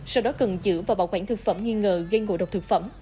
sau đó cần giữ và bảo quản thực phẩm nghi ngờ gây ngộ độc thực phẩm